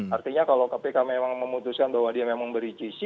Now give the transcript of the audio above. artinya kalau kpk memang memutuskan bahwa dia memberi gc